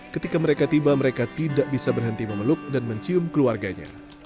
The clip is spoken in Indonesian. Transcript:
ketika mereka tiba mereka tidak bisa berhenti memeluk dan mencium keluarganya